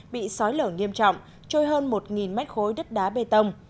bị sói lở nghiêm trọng trôi hơn một mét khối đất đá bê tông